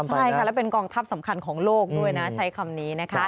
มีโรคด้วยนะใช้คำนี้นะครับ